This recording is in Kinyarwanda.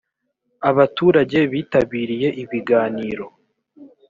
abaturage bitabiriye ibiganiro